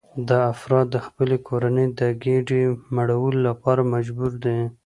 دا افراد د خپلې کورنۍ د ګېډې مړولو لپاره مجبور دي